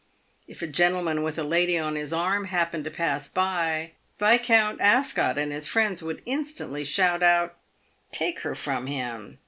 If a gentleman with a lady on his arm happened to pass by, Viscount Ascot and his friends would instantly shout out, " Take her from him